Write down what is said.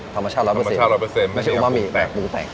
ธรรมชาติรับเปอร์เซ็นต์ธรรมชาติรับเปอร์เซ็นต์ไม่ใช่อุมามิกับหมูแต่ง